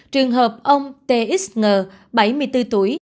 trường hợp ông t x ng bảy mươi bốn tuổi